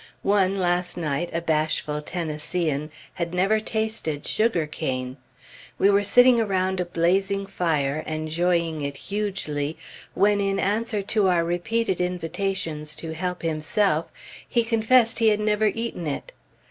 One, last night, a bashful Tennesseean, had never tasted sugar cane. We were sitting around a blazing fire, enjoying it hugely, when in answer to our repeated invitations to help himself, he confessed he had never eaten it.